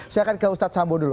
saya akan ke ustadz sambo dulu